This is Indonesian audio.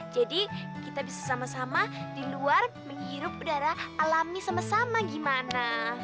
jadi kita bisa sama sama di luar menghirup udara alami sama sama gimana